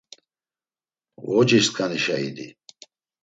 Ğociskanişa idi.